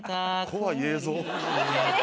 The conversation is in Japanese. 怖い映像。